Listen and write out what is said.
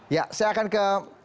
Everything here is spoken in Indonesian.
ya saya akan ke